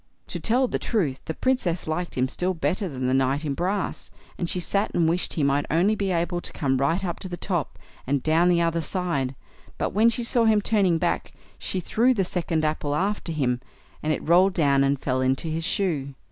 To tell the truth, the Princess liked him still better than the knight in brass, and she sat and wished he might only be able to come right up to the top, and down the other side; but when she saw him turning back, she threw the second apple after him, and it rolled down and fell into his shoe.